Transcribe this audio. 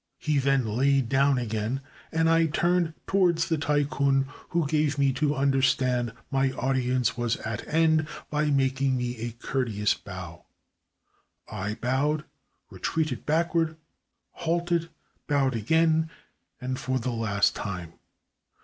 He then lay down again, and I turned to wards the Tai kun, who gave me to understand my audience was at an end by making me a courteous bow. I bowed, retreated backward, halted, bowed again and for the last time.